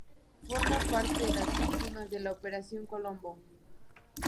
Forma parte de las víctimas de la Operación Colombo.